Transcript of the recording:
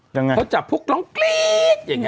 ยังไงเขาจับพวกร้องกรี๊ดอย่างนี้